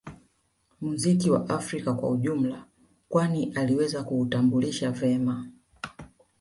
Muziki wa Afrika kwa ujumla kwani aliweza kuutambulisha vema